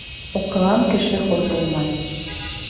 Уҡыған кеше хур булмай.